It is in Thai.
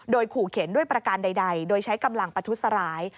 โดยขู่เข็นด้วยประการใดโดยใช้กำลังประทุษร้าย